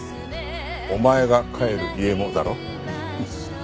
お前が帰る家もだろ？